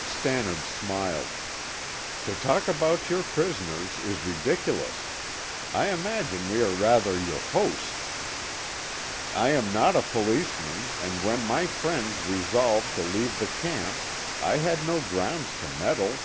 Stannard smiled. "To talk about your prisoners is ridiculous; I imagine we are rather your hosts. I am not a policeman, and when my friends resolved to leave the camp I had no grounds to meddle.